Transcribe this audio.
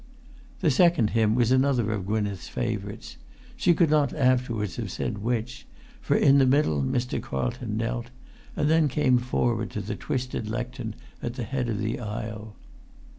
The second hymn was another of Gwynneth's favourites; she could not afterwards have said which, for in the middle Mr. Carlton knelt, and then came forward to the twisted lectern at the head of the aisle.